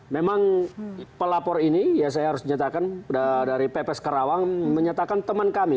memang pelapor ini ya saya harus menyatakan dari pps karawang menyatakan teman kami